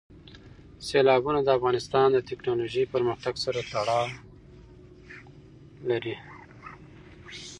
سیلابونه د افغانستان د تکنالوژۍ پرمختګ سره تړاو لري.